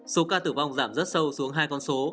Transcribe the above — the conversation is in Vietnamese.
số ca tử vong giảm rất sâu xuống hai con số